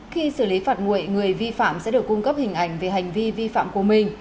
khi xử lý phạt nguội người vi phạm sẽ được cung cấp hình ảnh về hành vi vi phạm của mình